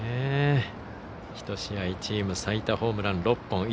ひと試合チーム最多ホームラン６本。